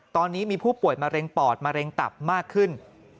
ตอนนี้มีผู้ป่วยมะเร็งปอดมะเร็งตับมากขึ้น